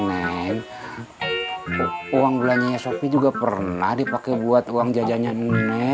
neng uang belanjanya sopi juga pernah dipake buat uang jajanya nenek